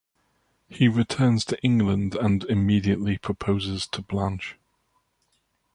He returns to England and immediately proposes to Blanche.